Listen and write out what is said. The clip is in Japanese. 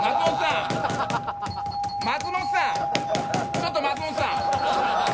ちょっと松本さん